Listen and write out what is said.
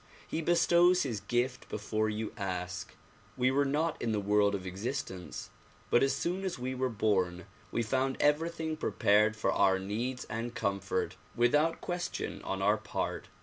He bestows his gift before you ask. We were not in the world of existence but as soon as we were born we found everything prepared for our needs and comfort without question on our part.